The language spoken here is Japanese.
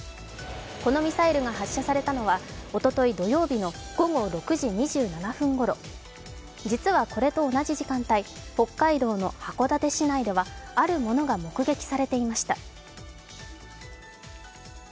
このミサイルが発射されたのはおととい土曜日の午後６時２７分ごろ実はこれと同じ時間帯、北海道の函館市内ではあるものが目撃されていました。